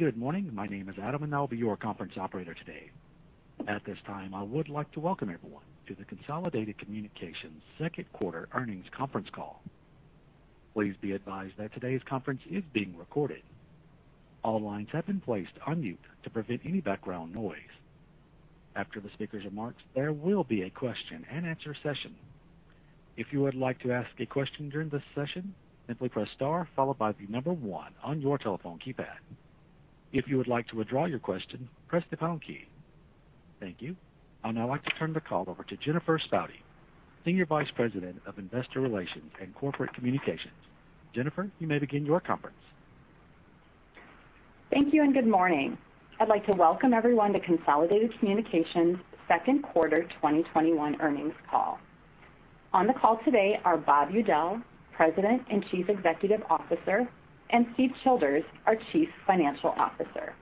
Good morning. My name is Adam, and I'll be your conference operator today. At this time, I would like to welcome everyone to the Consolidated Communications second quarter earnings conference call. Please be advised that today's conference is being recorded. All lines have been placed on mute to prevent any background noise. After the speaker's remarks, there will be a question-and-answer session. If you would like to ask a question during this session, simply press star followed by the number one on your telephone keypad. If you would like to withdraw your question, press the star key. Thank you. I'd now like to turn the call over to Jennifer Spaude, Senior Vice President of Investor Relations and Corporate Communications. Jennifer, you may begin your conference. Thank you, and good morning. I'd like to welcome everyone to Consolidated Communications' second quarter 2021 earnings call. On the call today are Bob Udell, President and Chief Executive Officer, and Steve Childers, our Chief Financial Officer.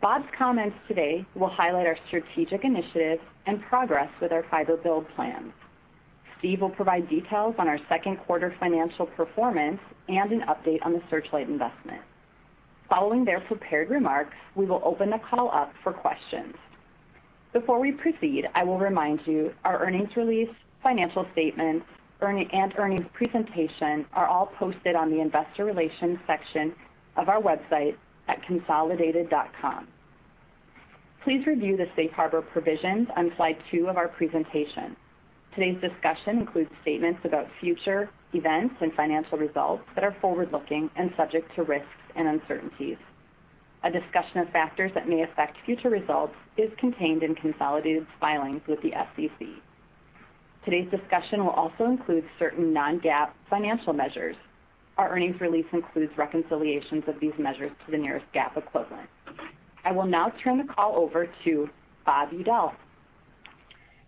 Bob's comments today will highlight our strategic initiatives and progress with our fiber build plans. Steve will provide details on our second quarter financial performance and an update on the Searchlight investment. Following their prepared remarks, we will open the call up for questions. Before we proceed, I will remind you our earnings release, financial statements, and earnings presentation are all posted on the investor relations section of our website at consolidated.com. Please review the safe harbor provisions on slide two of our presentation. Today's discussion includes statements about future events and financial results that are forward-looking and subject to risks and uncertainties. A discussion of factors that may affect future results is contained in Consolidated's filings with the SEC. Today's discussion will also include certain non-GAAP financial measures. Our earnings release includes reconciliations of these measures to the nearest GAAP equivalent. I will now turn the call over to Bob Udell.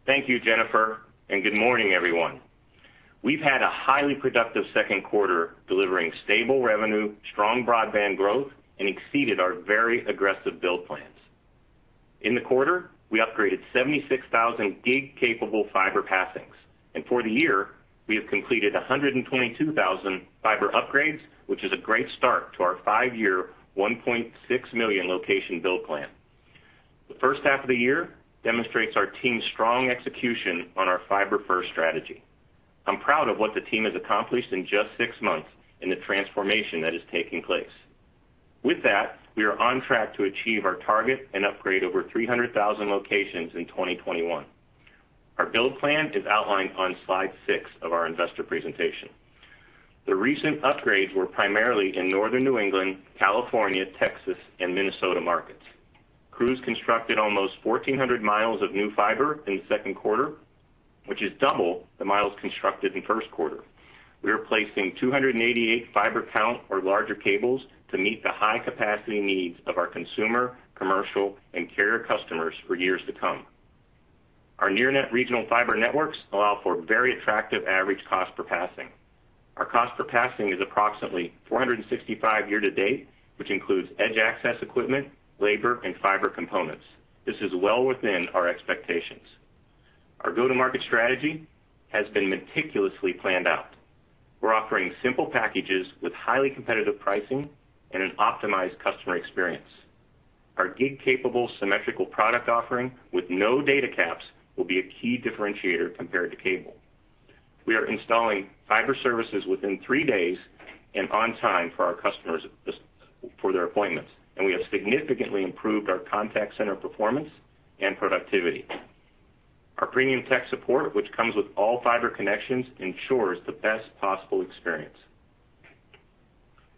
Thank you, Jennifer, and good morning, everyone. We've had a highly productive second quarter, delivering stable revenue, strong broadband growth, and exceeded our very aggressive build plans. In the quarter, we upgraded 76,000 gig-capable fiber passings. For the year, we have completed 122,000 fiber upgrades, which is a great start to our five-year, 1.6 million location build plan. The first half of the year demonstrates our team's strong execution on our fiber-first strategy. I'm proud of what the team has accomplished in just six months and the transformation that is taking place. With that, we are on track to achieve our target and upgrade over 300,000 locations in 2021. Our build plan is outlined on slide six of our investor presentation. The recent upgrades were primarily in northern New England, California, Texas, and Minnesota markets. Crews constructed almost 1,400 miles of new fiber in the second quarter, which is double the miles constructed in the first quarter. We are placing 288 fiber count or larger cables to meet the high capacity needs of our consumer, commercial, and carrier customers for years to come. Our near net regional fiber networks allow for very attractive average cost per passing. Our cost per passing is approximately $465 year to date, which includes edge access equipment, labor, and fiber components. This is well within our expectations. Our go-to-market strategy has been meticulously planned out. We're offering simple packages with highly competitive pricing and an optimized customer experience. Our gig-capable symmetrical product offering with no data caps will be a key differentiator compared to cable. We are installing fiber services within three days and on time for our customers for their appointments, and we have significantly improved our contact center performance and productivity. Our premium tech support, which comes with all fiber connections, ensures the best possible experience.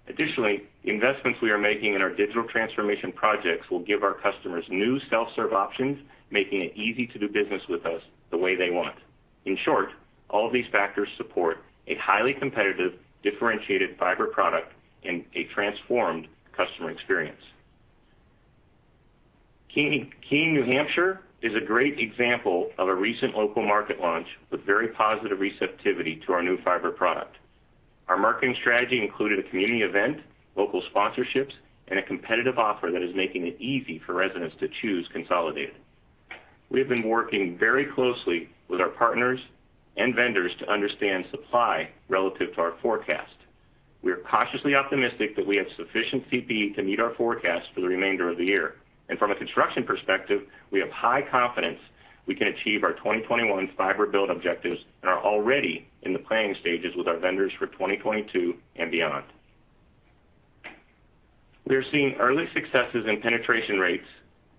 Additionally, investments we are making in our digital transformation projects will give our customers new self-serve options, making it easy to do business with us the way they want. In short, all these factors support a highly competitive, differentiated fiber product and a transformed customer experience. Keene, New Hampshire, is a great example of a recent local market launch with very positive receptivity to our new fiber product. Our marketing strategy included a community event, local sponsorships, and a competitive offer that is making it easy for residents to choose Consolidated. We have been working very closely with our partners and vendors to understand supply relative to our forecast. We are cautiously optimistic that we have sufficient CPE to meet our forecast for the remainder of the year. From a construction perspective, we have high confidence we can achieve our 2021 fiber build objectives and are already in the planning stages with our vendors for 2022 and beyond. We are seeing early successes in penetration rates,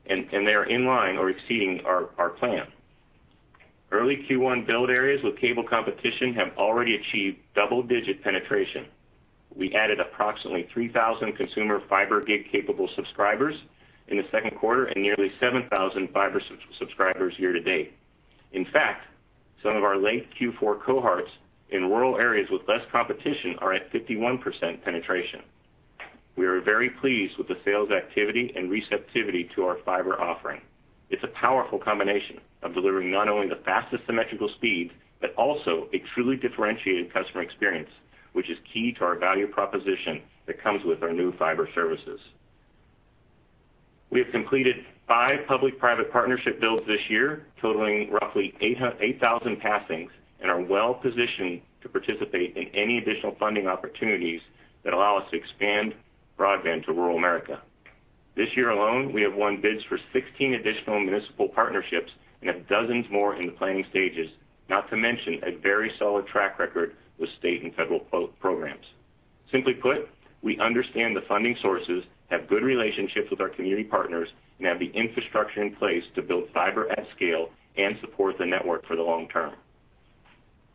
and they are in line or exceeding our plan. Early Q1 build areas with cable competition have already achieved double-digit penetration. We added approximately 3,000 consumer fiber gig-capable subscribers in the second quarter and nearly 7,000 fiber subscribers year to date. In fact, some of our late Q4 cohorts in rural areas with less competition are at 51% penetration. We are very pleased with the sales activity and receptivity to our fiber offering. It's a powerful combination of delivering not only the fastest symmetrical speed, but also a truly differentiated customer experience, which is key to our value proposition that comes with our new fiber services. We have completed five public-private partnership builds this year, totaling roughly 8,000 passings, and are well-positioned to participate in any additional funding opportunities that allow us to expand broadband to rural America. This year alone, we have won bids for 16 additional municipal partnerships and have dozens more in the planning stages, not to mention a very solid track record with state and federal programs. Simply put, we understand the funding sources, have good relationships with our community partners, and have the infrastructure in place to build fiber at scale and support the network for the long term.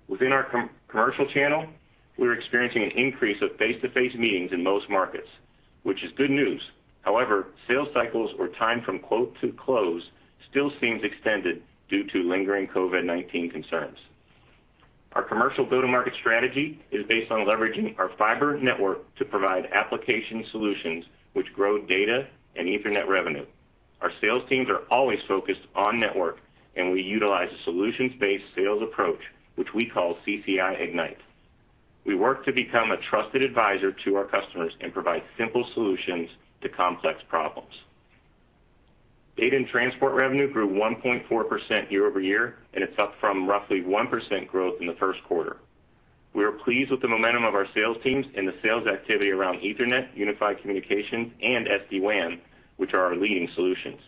Within our commercial channel, we're experiencing an increase of face-to-face meetings in most markets, which is good news. However, sales cycles or time from quote to close still seems extended due to lingering COVID-19 concerns. Our commercial go-to-market strategy is based on leveraging our fiber network to provide application solutions which grow data and Ethernet revenue. Our sales teams are always focused on network. We utilize a solutions-based sales approach, which we call CCI Ignite. We work to become a trusted advisor to our customers and provide simple solutions to complex problems. Data and transport revenue grew 1.4% year-over-year. It's up from roughly 1% growth in the first quarter. We are pleased with the momentum of our sales teams and the sales activity around Ethernet, unified communications, and SD-WAN, which are our leading solutions.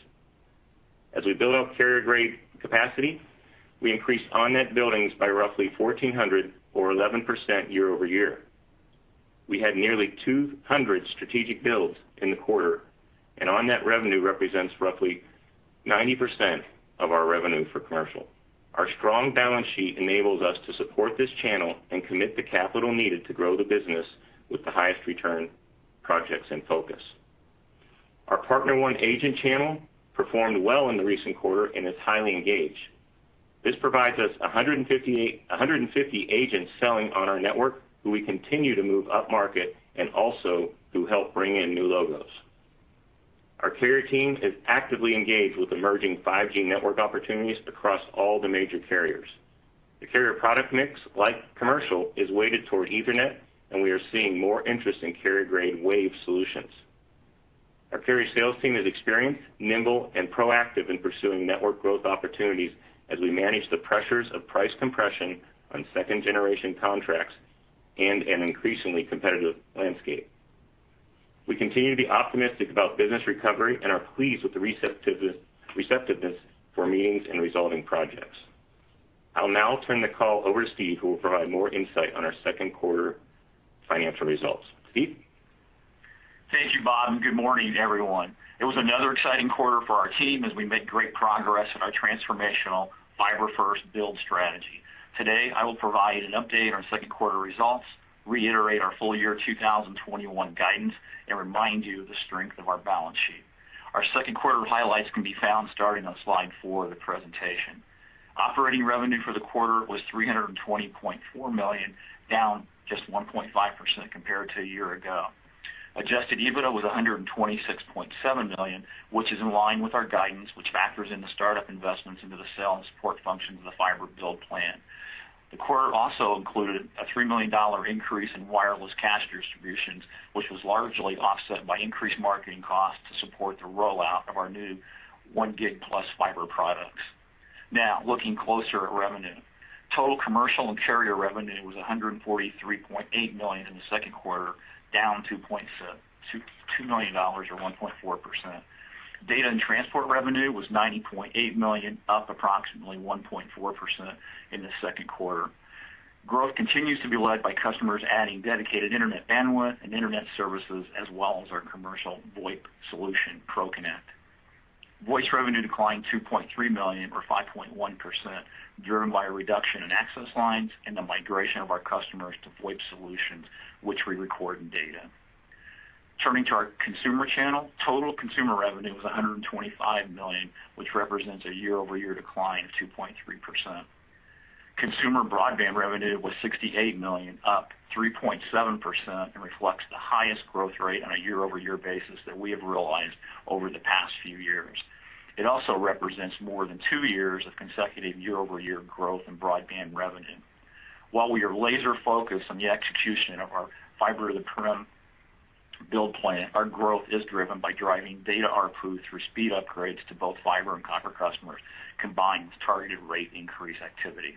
As we build out carrier-grade capacity, we increased on-net buildings by roughly 1,400 or 11% year-over-year. We had nearly 200 strategic builds in the quarter, and on-net revenue represents roughly 90% of our revenue for commercial. Our strong balance sheet enables us to support this channel and commit the CapEx needed to grow the business with the highest return projects in focus. Our PartnerOne agent channel performed well in the recent quarter and is highly engaged. This provides us 150 agents selling on our network who we continue to move upmarket and also who help bring in new logos. Our carrier team is actively engaged with emerging 5G network opportunities across all the major carriers. The carrier product mix, like commercial, is weighted toward Ethernet, and we are seeing more interest in carrier-grade Wave solutions. Our carrier sales team is experienced, nimble, and proactive in pursuing network growth opportunities as we manage the pressures of price compression on second-generation contracts and an increasingly competitive landscape. We continue to be optimistic about business recovery and are pleased with the receptiveness for meetings and resolving projects. I'll now turn the call over to Steve, who will provide more insight on our second quarter financial results. Steve? Thank you, Bob, and good morning, everyone. It was another exciting quarter for our team as we made great progress in our transformational fiber-first build strategy. Today, I will provide an update on our second quarter results, reiterate our full year 2021 guidance, and remind you of the strength of our balance sheet. Our second quarter highlights can be found starting on slide four of the presentation. Operating revenue for the quarter was $320.4 million, down just 1.5% compared to a year ago. Adjusted EBITDA was $126.7 million, which is in line with our guidance, which factors in the startup investments into the sale and support functions of the fiber build plan. The quarter also included a $3 million increase in wireless cash distributions, which was largely offset by increased marketing costs to support the rollout of our new one gig-plus fiber products. Now, looking closer at revenue. Total commercial and carrier revenue was $143.8 million in the second quarter, down $2 million or 1.4%. Data and transport revenue was $90.8 million, up approximately 1.4% in the second quarter. Growth continues to be led by customers adding dedicated internet bandwidth and internet services, as well as our commercial VoIP solution, ProConnect. Voice revenue declined $2.3 million or 5.1%, driven by a reduction in access lines and the migration of our customers to VoIP solutions, which we record in data. Turning to our consumer channel, total consumer revenue was $125 million, which represents a year-over-year decline of 2.3%. Consumer broadband revenue was $68 million, up 3.7%, and reflects the highest growth rate on a year-over-year basis that we have realized over the past few years. It also represents more than two years of consecutive year-over-year growth in broadband revenue. While we are laser focused on the execution of our fiber to the prem build plan, our growth is driven by driving data ARPU through speed upgrades to both fiber and copper customers, combined with targeted rate increase activity.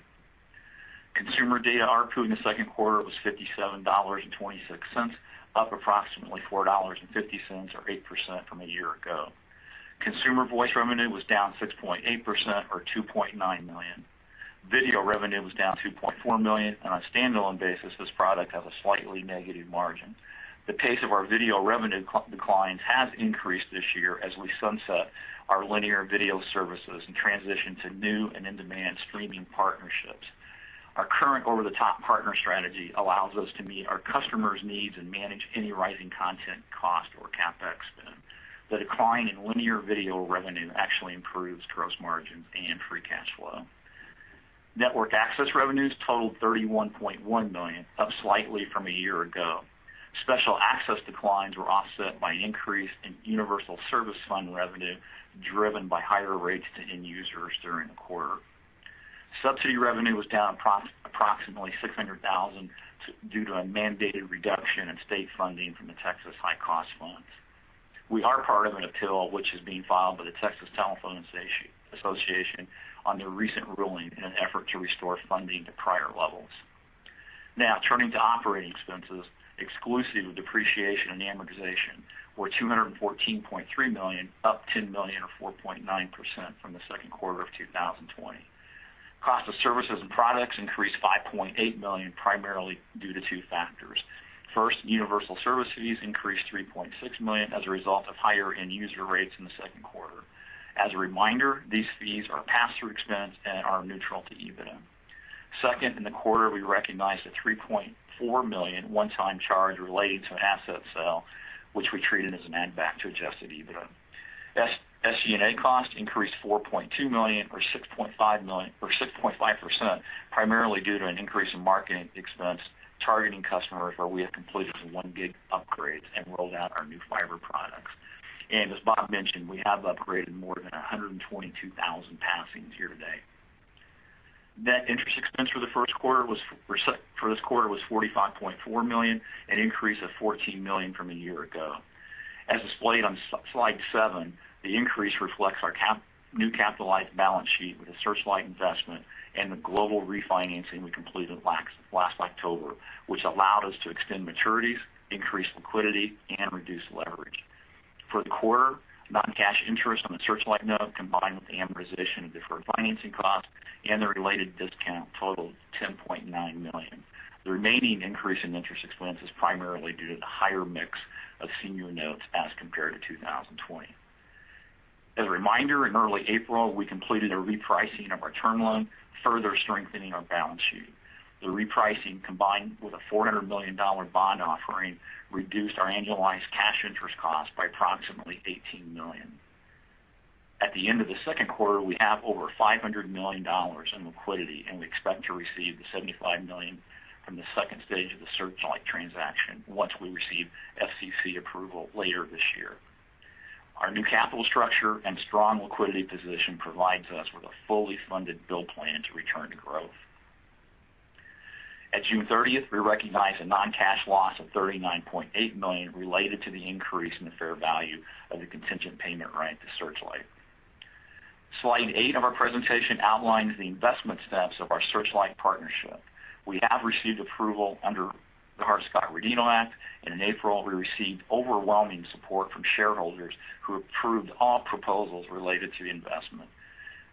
Consumer data ARPU in the second quarter was $57.26, up approximately $4.50 or 8% from a year ago. Consumer voice revenue was down 6.8% or $2.9 million. Video revenue was down $2.4 million. On a standalone basis, this product has a slightly negative margin. The pace of our video revenue declines has increased this year as we sunset our linear video services and transition to new and in-demand streaming partnerships. Our current over-the-top partner strategy allows us to meet our customers' needs and manage any rising content cost or CapEx spend. The decline in linear video revenue actually improves gross margins and free cash flow. Network access revenues totaled $31.1 million, up slightly from a year ago. Special access declines were offset by increase in universal service fund revenue, driven by higher rates to end users during the quarter. Subsidy revenue was down approximately $600,000 due to a mandated reduction in state funding from the Texas High-Cost Fund. We are part of an appeal which is being filed by the Texas Telephone Association on their recent ruling in an effort to restore funding to prior levels. Turning to operating expenses, exclusive of depreciation and amortization, were $214.3 million, up $10 million or 4.9% from the second quarter of 2020. Cost of services and products increased $5.8 million, primarily due to two factors. First, universal service fees increased $3.6 million as a result of higher end-user rates in the second quarter. As a reminder, these fees are pass-through expense and are neutral to EBITDA. Second, in the quarter, we recognized a $3.4 million one-time charge related to an asset sale, which we treated as an add back to adjusted EBITDA. SG&A costs increased $4.2 million or 6.5% primarily due to an increase in marketing expense targeting customers where we have completed some one gig upgrades and rolled out our new fiber products. As Bob mentioned, we have upgraded more than 122,000 passings year-to-date. Net interest expense for this quarter was $45.4 million, an increase of $14 million from a year ago. As displayed on slide seven, the increase reflects our new capitalized balance sheet with the Searchlight investment and the global refinancing we completed last October, which allowed us to extend maturities, increase liquidity, and reduce leverage. For the quarter, non-cash interest on the Searchlight note, combined with the amortization of deferred financing costs and the related discount totaled $10.9 million. The remaining increase in interest expense is primarily due to the higher mix of senior notes as compared to 2020. As a reminder, in early April, we completed a repricing of our term loan, further strengthening our balance sheet. The repricing, combined with a $400 million bond offering, reduced our annualized cash interest cost by approximately $18 million. At the end of the second quarter, we have over $500 million in liquidity, and we expect to receive the $75 million from the second stage of the Searchlight transaction once we receive FCC approval later this year. Our new capital structure and strong liquidity position provides us with a fully funded bill plan to return to growth. At June 30th, we recognized a non-cash loss of $39.8 million related to the increase in the fair value of the contingent payment right to Searchlight. Slide eight of our presentation outlines the investment steps of our Searchlight partnership. We have received approval under the Hart-Scott-Rodino Act, and in April we received overwhelming support from shareholders who approved all proposals related to the investment.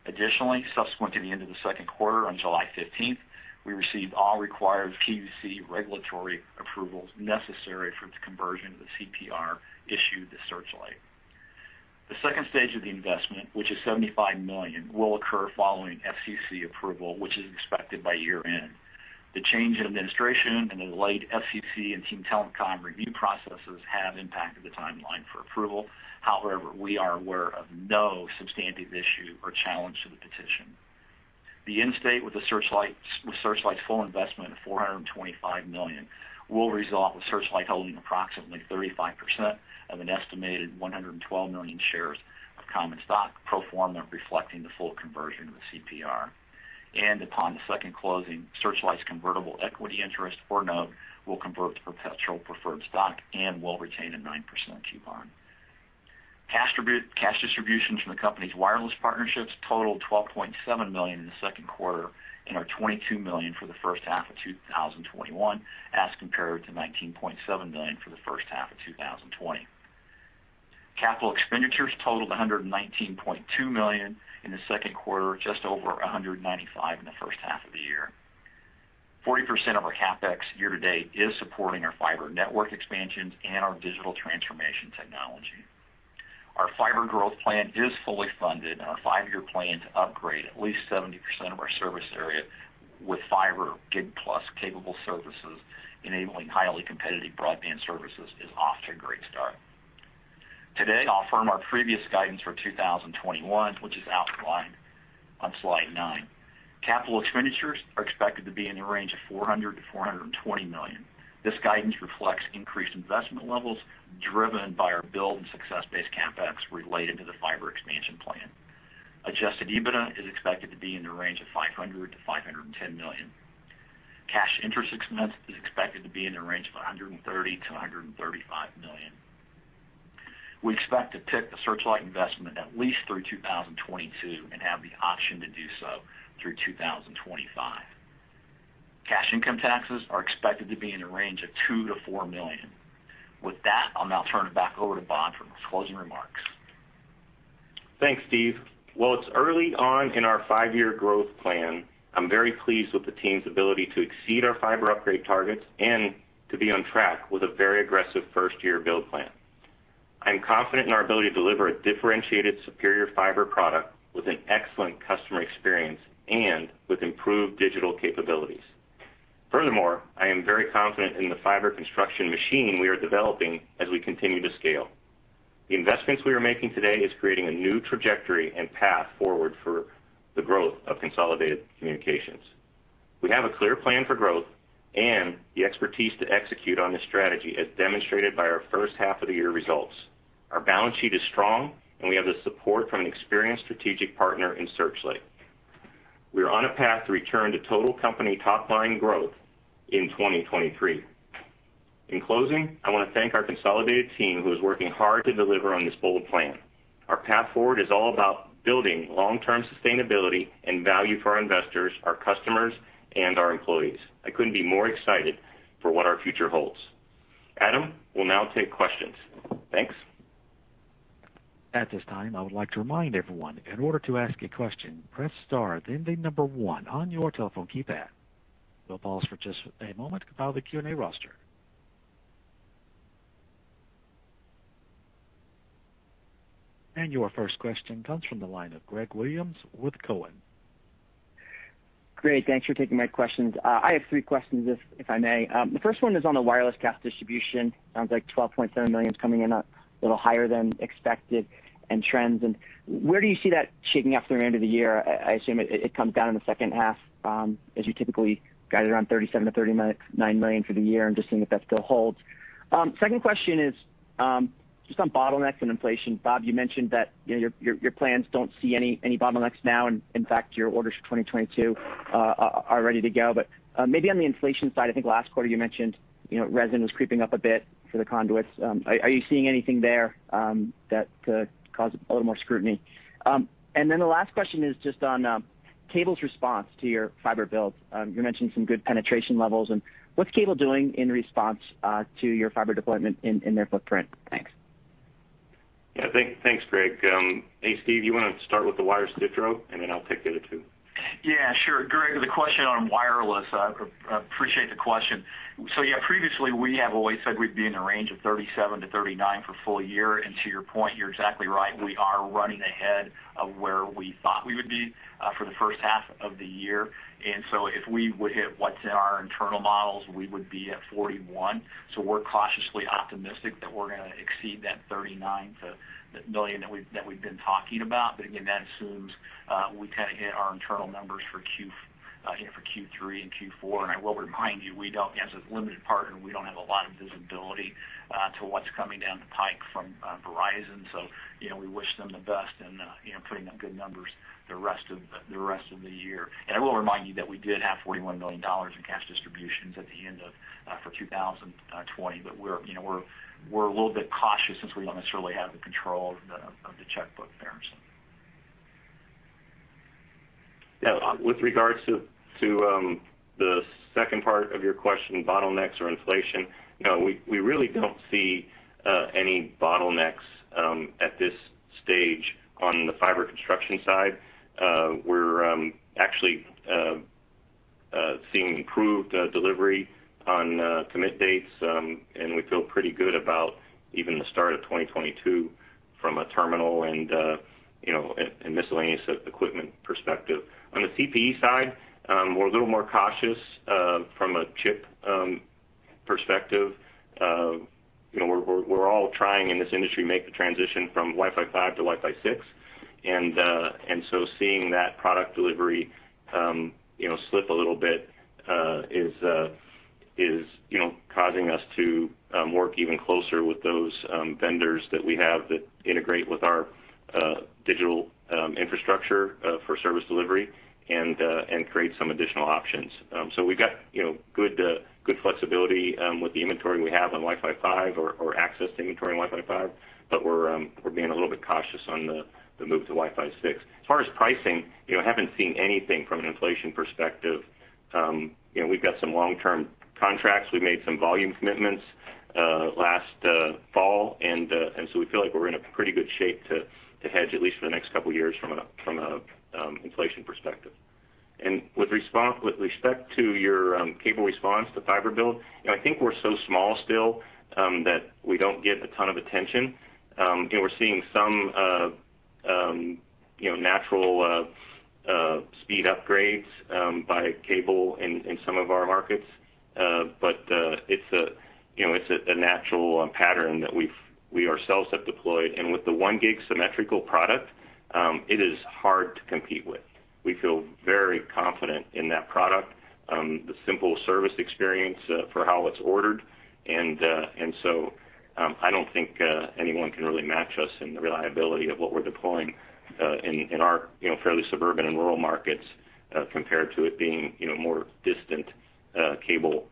Additionally, subsequent to the end of the second quarter on July 15th, we received all required PUC regulatory approvals necessary for the conversion of the CPR issued to Searchlight. The second stage of the investment, which is $75 million, will occur following FCC approval, which is expected by year end. The change in administration and the delayed FCC and Team Telecom review processes have impacted the timeline for approval. However, we are aware of no substantive issue or challenge to the petition. The end state with Searchlight's full investment of $425 million will result with Searchlight holding approximately 35% of an estimated 112 million shares of common stock pro forma reflecting the full conversion of the CPR. Upon the second closing, Searchlight's convertible equity interest for note will convert to perpetual preferred stock and will retain a 9% coupon. Cash distributions from the company's wireless partnerships totaled $12.7 million in the second quarter and are $22 million for the first half of 2021, as compared to $19.7 million for the first half of 2020. Capital expenditures totaled $119.2 million in the second quarter, just over $195 million in the first half of the year. 40% of our CapEx year to date is supporting our fiber network expansions and our digital transformation technology. Our fiber growth plan is fully funded, and our five-year plan to upgrade at least 70% of our service area with fiber gig plus capable services enabling highly competitive broadband services is off to a great start. Today, I'll firm our previous guidance for 2021, which is outlined on slide nine. Capital expenditures are expected to be in the range of $400 million-$420 million. This guidance reflects increased investment levels driven by our build and success-based CapEx related to the fiber expansion plan. Adjusted EBITDA is expected to be in the range of $500 million-$510 million. Cash interest expense is expected to be in the range of $130 million-$135 million. We expect to tick the Searchlight investment at least through 2022 and have the option to do so through 2025. Cash income taxes are expected to be in the range of $2 million-$4 million. With that, I'll now turn it back over to Bob for closing remarks. Thanks, Steve. While it's early on in our five-year growth plan, I'm very pleased with the team's ability to exceed our fiber upgrade targets and to be on track with a very aggressive first-year build plan. I am confident in our ability to deliver a differentiated superior fiber product with an excellent customer experience and with improved digital capabilities. Furthermore, I am very confident in the fiber construction machine we are developing as we continue to scale. The investments we are making today is creating a new trajectory and path forward for the growth of Consolidated Communications. We have a clear plan for growth and the expertise to execute on this strategy, as demonstrated by our first half of the year results. Our balance sheet is strong, and we have the support from an experienced strategic partner in Searchlight. We are on a path to return to total company top-line growth in 2023. In closing, I want to thank our Consolidated team who is working hard to deliver on this bold plan. Our path forward is all about building long-term sustainability and value for our investors, our customers, and our employees. I couldn't be more excited for what our future holds. Adam, we'll now take questions. Thanks. We'll pause for just a moment to compile the Q&A roster. Your first question comes from the line of Greg Williams with Cowen. Great. Thanks for taking my questions. I have three questions, if I may. The first one is on the wireless cash distribution. Sounds like $12.7 million is coming in a little higher than expected and trends. Where do you see that shaping up through the end of the year? I assume it comes down in the second half, as you typically guide around $37 million-$39 million for the year, I'm just seeing if that still holds. Second question is just on bottlenecks and inflation. Bob, you mentioned that your plans don't see any bottlenecks now, and in fact, your orders for 2022 are ready to go. Maybe on the inflation side, I think last quarter you mentioned resin was creeping up a bit for the conduits. Are you seeing anything there that could cause a little more scrutiny? The last question is just on cable's response to your fiber build. You mentioned some good penetration levels. What's cable doing in response to your fiber deployment in their footprint? Thanks. Yeah. Thanks, Greg. Hey, Steve, you want to start with the wireless distro, and then I'll take the other two? Yeah, sure. Greg, the question on wireless, I appreciate the question. Yeah, previously we have always said we'd be in the range of $37 million-$39 million for full year. To your point, you're exactly right. We are running ahead of where we thought we would be for the first half of the year. If we would hit what's in our internal models, we would be at $41 million. We're cautiously optimistic that we're going to exceed that $39 million that we've been talking about. Again, that assumes we hit our internal numbers for Q3 and Q4. I will remind you, as a limited partner, we don't have a lot of visibility to what's coming down the pike from Verizon. We wish them the best in putting up good numbers the rest of the year. I will remind you that we did have $41 million in cash distributions at the end of 2020. We're a little bit cautious since we don't necessarily have the control of the checkbook there. Yeah. With regards to the second part of your question, bottlenecks or inflation. No, we really don't see any bottlenecks at this stage on the fiber construction side. We're actually seeing improved delivery on commit dates, and we feel pretty good about even the start of 2022 from a terminal and miscellaneous equipment perspective. On the CPE side, we're a little more cautious from a chip perspective. We're all trying in this industry to make the transition from Wi-Fi 5 to Wi-Fi 6. Seeing that product delivery slip a little bit is causing us to work even closer with those vendors that we have that integrate with our digital infrastructure for service delivery and create some additional options. We've got good flexibility with the inventory we have on Wi-Fi 5 or access to inventory on Wi-Fi 5. We're being a little bit cautious on the move to Wi-Fi 6. As far as pricing, I haven't seen anything from an inflation perspective. We've got some long-term contracts. We made some volume commitments last fall, so we feel like we're in a pretty good shape to hedge at least for the next couple of years from an inflation perspective. With respect to your cable response to fiber build, I think we're so small still that we don't get a ton of attention. We're seeing some natural speed upgrades by cable in some of our markets. It's a natural pattern that we ourselves have deployed. With the 1 gig symmetrical product, it is hard to compete with. We feel very confident in that product, the simple service experience for how it's ordered. I don't think anyone can really match us in the reliability of what we're deploying in our fairly suburban and rural markets compared to it being more distant cable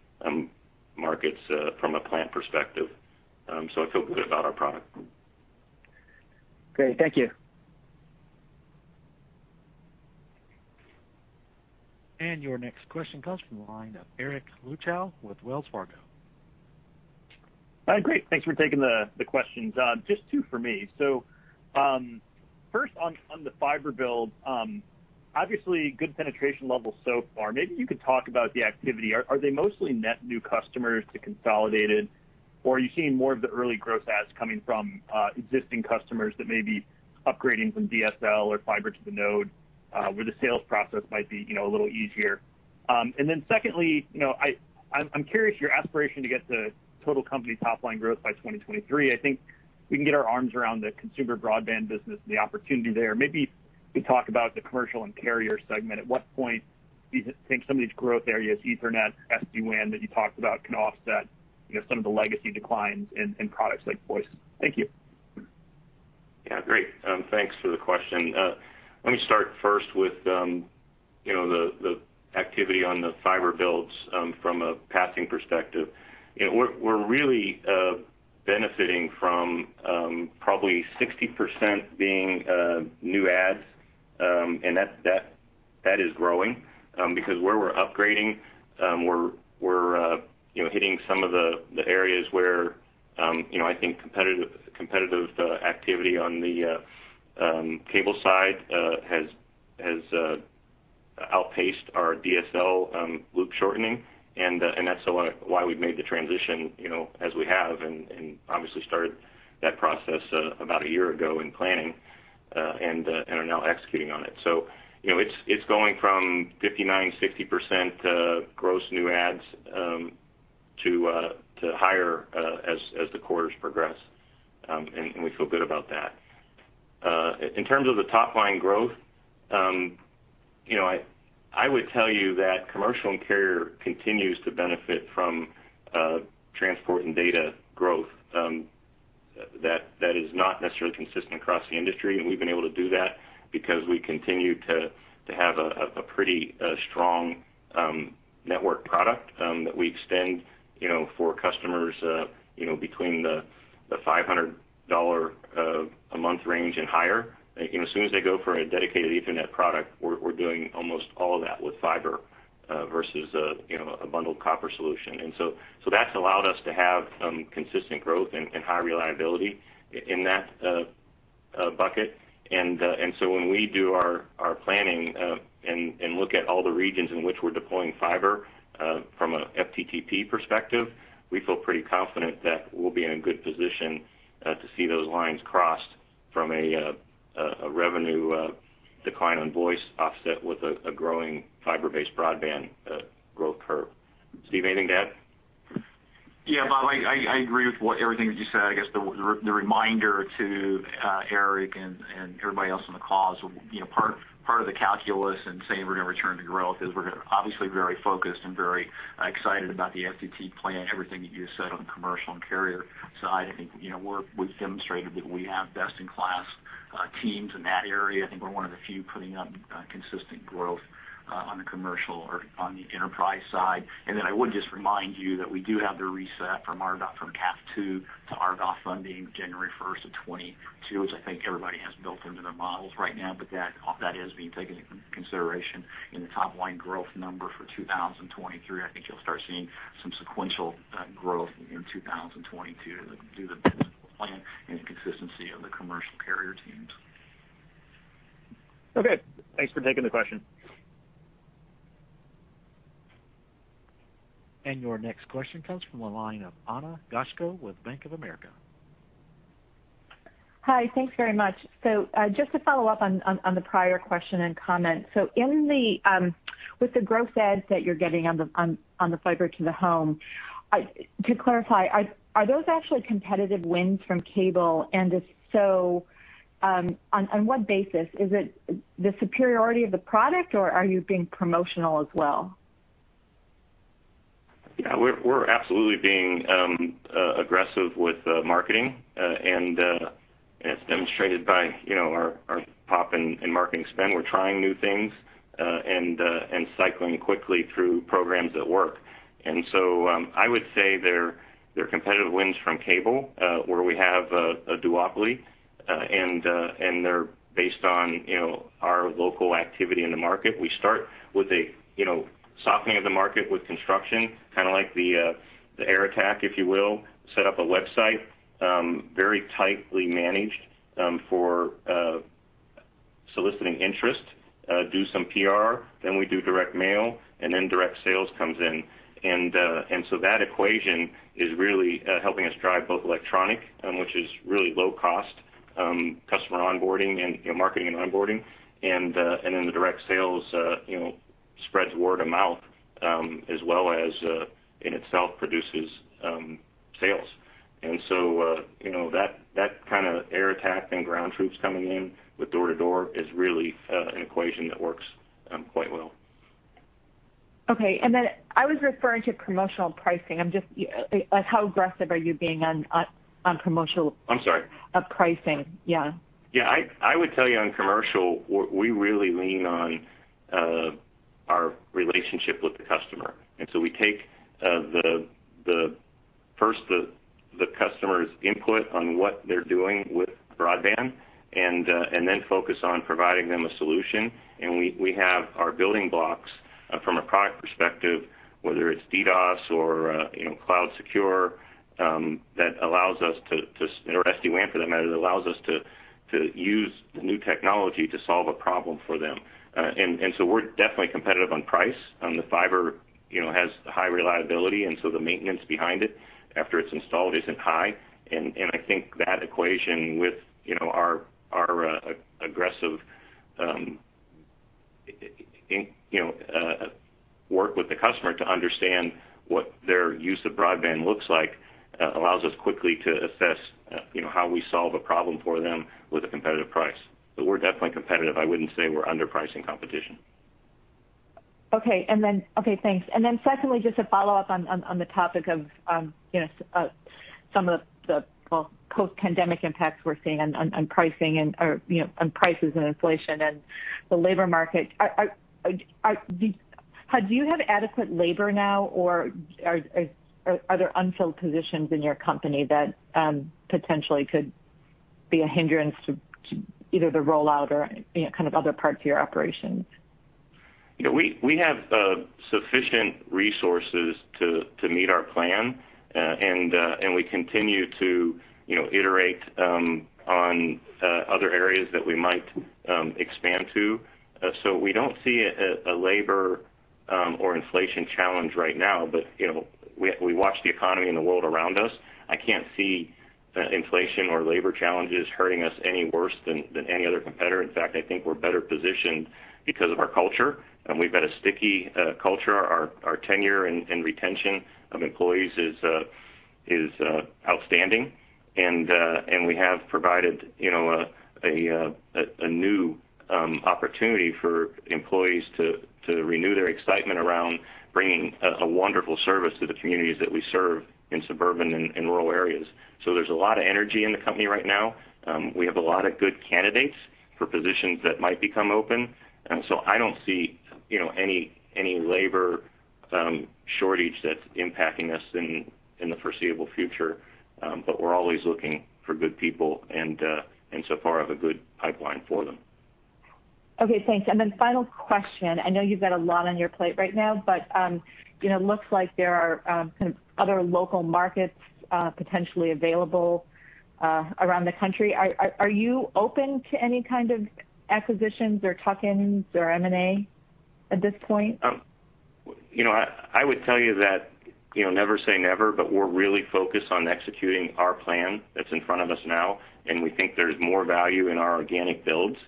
markets from a plant perspective. I feel good about our product. Great. Thank you. Your next question comes from the line of Eric Luebchow with Wells Fargo. Great. Thanks for taking the questions. Just two for me. First on the fiber build, obviously good penetration levels so far. Maybe you could talk about the activity. Are they mostly net new customers to Consolidated, or are you seeing more of the early gross adds coming from existing customers that may be upgrading from DSL or fiber to the node, where the sales process might be a little easier? Secondly, I'm curious, your aspiration to get to total company top-line growth by 2023. I think we can get our arms around the consumer broadband business and the opportunity there. Maybe you talk about the commercial and carrier segment. At what point do you think some of these growth areas, Ethernet, SD-WAN, that you talked about, can offset some of the legacy declines in products like voice? Thank you. Yeah. Great. Thanks for the question. Let me start first with the activity on the fiber builds from a passing perspective. We're really benefiting from probably 60% being new adds, and that is growing because where we're upgrading, we're hitting some of the areas where I think competitive activity on the cable side has outpaced our DSL loop shortening. That's why we've made the transition as we have and obviously started that process about a year ago in planning, and are now executing on it. It's going from 59%, 60% gross new adds to higher as the quarters progress. We feel good about that. In terms of the top-line growth, I would tell you that commercial and carrier continues to benefit from transport and data growth. That is not necessarily consistent across the industry, and we've been able to do that because we continue to have a pretty strong network product that we extend for customers between the $500 a month range and higher. As soon as they go for a dedicated Ethernet product, we're doing almost all of that with fiber versus a bundled copper solution. That's allowed us to have consistent growth and high reliability in that bucket. When we do our planning and look at all the regions in which we're deploying fiber from an FTTP perspective, we feel pretty confident that we'll be in a good position to see those lines crossed from a revenue decline on voice offset with a growing fiber-based broadband growth curve. Steve, anything to add? Yeah, Bob, I agree with everything that you said. I guess the reminder to Eric and everybody else on the calls, part of the calculus in saying we're going to return to growth is we're obviously very focused and very excited about the FTT plan, everything that you just said on the commercial and carrier side. I think we've demonstrated that we have best-in-class teams in that area. I think we're one of the few putting up consistent growth on the commercial or on the enterprise side. Then I would just remind you that we do have the reset from CAF II to RDOF funding January 1st of 2022, which I think everybody has built into their models right now. That is being taken into consideration in the top-line growth number for 2023. I think you'll start seeing some sequential growth in 2022 due to the principal plan and the consistency of the commercial carrier teams. Okay, thanks for taking the question. Your next question comes from the line of Ana Goshko with Bank of America. Hi. Thanks very much. Just to follow up on the prior question and comment. With the growth adds that you're getting on the fiber to the home, to clarify, are those actually competitive wins from cable? If so, on what basis? Is it the superiority of the product, or are you being promotional as well? Yeah. We're absolutely being aggressive with marketing, and it's demonstrated by our pop in marketing spend. We're trying new things and cycling quickly through programs that work. I would say they're competitive wins from cable where we have a duopoly, and they're based on our local activity in the market. We start with a softening of the market with construction, kind of like the air attack, if you will. Set up a website, very tightly managed for soliciting interest, do some PR, then we do direct mail, and then direct sales comes in. That equation is really helping us drive both electronic, which is really low cost customer onboarding and marketing and onboarding. The direct sales spreads word of mouth as well as in itself produces sales. That kind of air attack and ground troops coming in with door to door is really an equation that works quite well. Okay, I was referring to promotional pricing. How aggressive are you being on promotional. I'm sorry. pricing? Yeah. Yeah. I would tell you on commercial, we really lean on our relationship with the customer. We take first the customer's input on what they're doing with broadband, and then focus on providing them a solution. We have our building blocks from a product perspective, whether it's DDoS or Cloud Secure or SD-WAN for that matter, that allows us to use the new technology to solve a problem for them. We're definitely competitive on price. The fiber has high reliability, and so the maintenance behind it after it's installed isn't high. I think that equation with our aggressive work with the customer to understand what their use of broadband looks like allows us quickly to assess how we solve a problem for them with a competitive price. We're definitely competitive. I wouldn't say we're underpricing competition. Okay, thanks. Secondly, just to follow up on the topic of some of the post-pandemic impacts we're seeing on prices and inflation and the labor market. Do you have adequate labor now, or are there unfilled positions in your company that potentially could be a hindrance to either the rollout or kind of other parts of your operations? We have sufficient resources to meet our plan. We continue to iterate on other areas that we might expand to. We don't see a labor or inflation challenge right now, but we watch the economy and the world around us. I can't see inflation or labor challenges hurting us any worse than any other competitor. In fact, I think we're better positioned because of our culture, and we've got a sticky culture. Our tenure and retention of employees is outstanding. We have provided a new opportunity for employees to renew their excitement around bringing a wonderful service to the communities that we serve in suburban and rural areas. There's a lot of energy in the company right now. We have a lot of good candidates for positions that might become open. I don't see any labor shortage that's impacting us in the foreseeable future. We're always looking for good people, and so far have a good pipeline for them. Okay, thanks. Final question. I know you've got a lot on your plate right now, but it looks like there are kind of other local markets potentially available around the country. Are you open to any kind of acquisitions or tuck-ins or M&A at this point? I would tell you that never say never. We're really focused on executing our plan that's in front of us now, and we think there's more value in our organic builds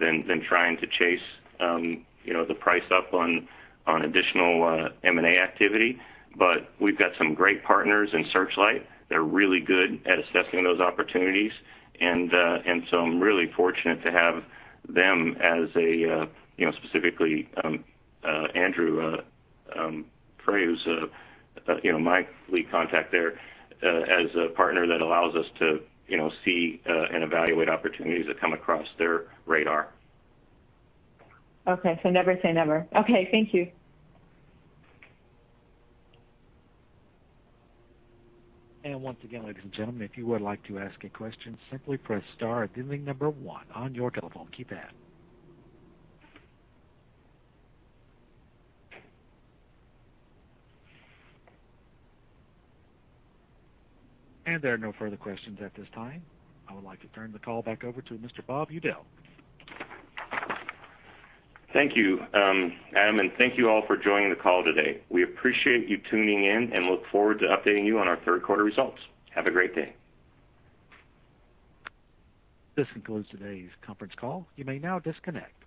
than trying to chase the price up on additional M&A activity. We've got some great partners in Searchlight that are really good at assessing those opportunities. I'm really fortunate to have them, specifically Andrew Frey, who's my lead contact there, as a partner that allows us to see and evaluate opportunities that come across their radar. Okay. Never say never. Okay. Thank you. Once again, ladies and gentlemen, if you would like to ask a question, simply press star and then the number one on your telephone keypad. There are no further questions at this time. I would like to turn the call back over to Mr. Bob Udell. Thank you, Adam, and thank you all for joining the call today. We appreciate you tuning in and look forward to updating you on our third quarter results. Have a great day. This concludes today's conference call. You may now disconnect.